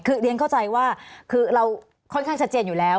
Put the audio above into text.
คือเรียนเข้าใจว่าคือเราค่อนข้างชัดเจนอยู่แล้ว